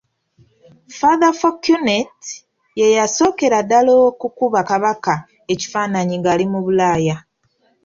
Father Fouquenet ye yasookera ddala okukuba Kabaka ekifaananyi ng'ali mu Bulaaya.